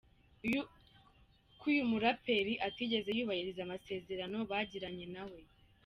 ko uyu muraperi atigeze yubahiriza amasezerano bagiranye na we.